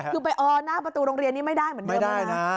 คือไปออหน้าประตูโรงเรียนนี้ไม่ได้เหมือนเดิมเลยนะ